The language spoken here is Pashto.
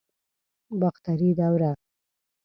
باختري دوره